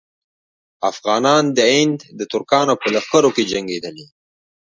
افغانان د هند د ترکانو په لښکرو کې جنګېدلي.